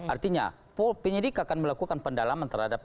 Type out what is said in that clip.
artinya penyidik akan melakukan pendalaman terhadap